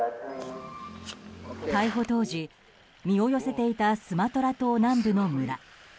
逮捕当時、身を寄せていたスマトラ島南部の村。